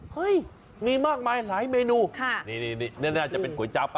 เฮ้ยมีมากมายหลายเมนูค่ะนี่น่าจะเป็นก๋วยจั๊บ